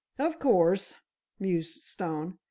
"Of course," mused Stone.